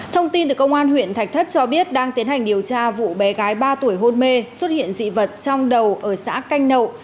thông tin từ công an huyện thạch thất cho biết đang tiến hành điều tra vụ bé gái ba tuổi hôn mê xuất hiện dị vật trong đầu ở xã canh nậu